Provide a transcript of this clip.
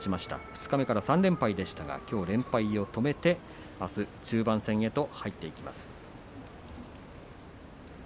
二日目から３連敗でしたがきょう連敗を止めて、あす中盤戦へと入っていきます。